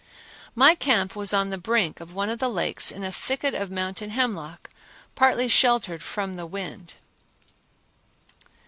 My camp was on the brink of one of the lakes in a thicket of mountain hemlock, partly sheltered from the wind.